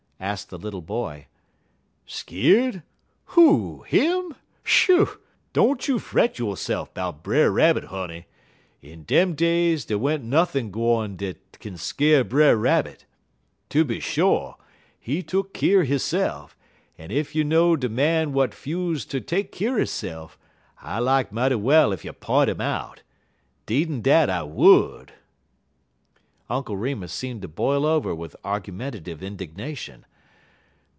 asked the little boy. "Skeerd! Who? Him? Shoo! don't you fret yo'se'f 'bout Brer Rabbit, honey. In dem days dey wa'n't nothin' gwine dat kin skeer Brer Rabbit. Tooby sho', he tuck keer hisse'f, en ef you know de man w'at 'fuse ter take keer hisse'f, I lak mighty well ef you p'int 'im out. Deed'n dat I would!" Uncle Remus seemed to boil over with argumentative indignation.